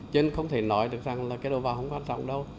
cho nên không thể nói được rằng là cái đầu vào không quan trọng đâu